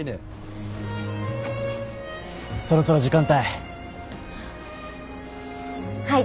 そろそろ時間たい。